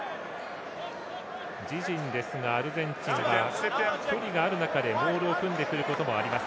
自陣ですがアルゼンチンは距離がある中で、モールを組んでくることもあります。